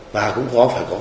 và cũng có phải có